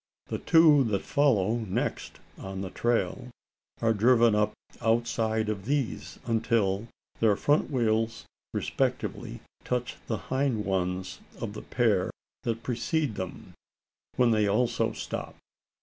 The two that follow next on the trail, are driven up outside of these until their front wheels respectively touch the hind ones of the pair that precede them when they also stop.